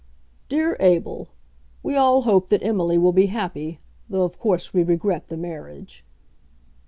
"Dear Abel, We all hope that Emily will be happy, though of course we regret the marriage."